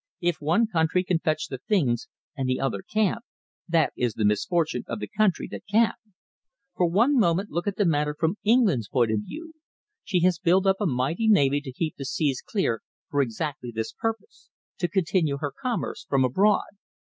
If one country can fetch the things and the other can't, that is the misfortune of the country that can't. For one moment look at the matter from England's point of view. She has built up a mighty navy to keep the seas clear for exactly this purpose to continue her commerce from abroad.